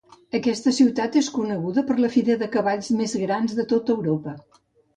Aquesta ciutat és coneguda per la fira de cavalls més gran de tota Europa.